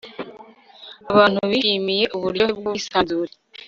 abantu bishimiye uburyohe bwubwisanzure